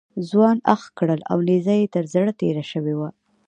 ځوان اخ کړل او نیزه یې تر زړه تېره شوې وه.